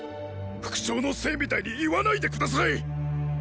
副長のせいみたいに言わないで下さい！